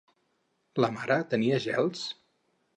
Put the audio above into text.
La mare tenia gels?